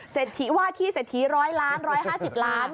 เสร็จถี้ว่าที่เสร็จถี้๑๐๐ล้าน๑๕๐ล้าน